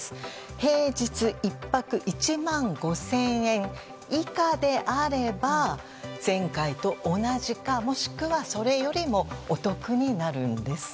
平日１泊１万５０００円以下であれば前回と同じか、もしくはそれよりもお得になるんです。